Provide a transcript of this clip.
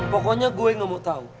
pokoknya gue gak mau tahu